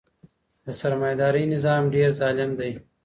د سرمایه دارۍ نظام ډیر ظالم دی.